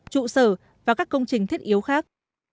trụ sở và các công trình thiết yếu khác